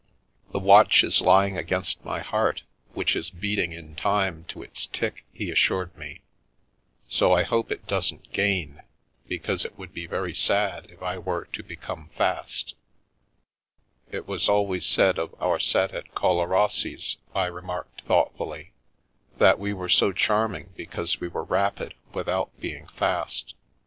" Thfe watch is lying against my heart, which is beat ing in time to its tick," he assured me, " so I hope it doesn't gain, because it would be very sad if I were to become fast/' " It was always said of our set at Collarossi's," I re marked thoughtfully, " that we were so charming because we were rapid without being fast.